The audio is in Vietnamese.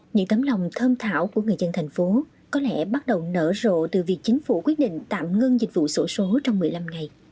những tấm lòng thơm thảo của người dân thành phố có lẽ bắt đầu nở rộ từ việc chính phủ quyết định tạm ngưng dịch vụ sổ số trong một mươi năm ngày